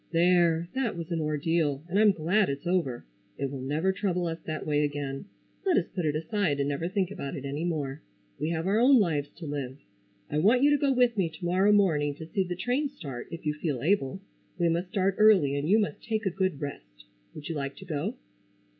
"There, that was an ordeal, and I'm glad, it's over. It will never trouble us that way again. Let us put it aside and never think about it any more. We have our own lives to live. I want you to go with me to morrow morning to see the train start if you feel able. We must start early and you must take a good rest. Would you like to go?"